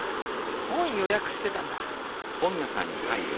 本予約してたんだ。